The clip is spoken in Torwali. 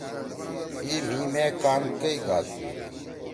ای مھی مے کان کئی گادتُو؟“